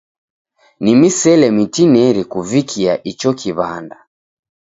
Ni misele mitineri kuvikia icho kiw'anda.